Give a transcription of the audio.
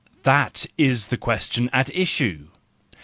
—that is the question at issue!